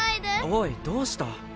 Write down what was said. おいどうした？